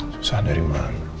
susah dari mana